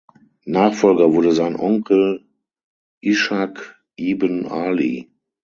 Nachfolger wurde sein Onkel Ishaq ibn Ali.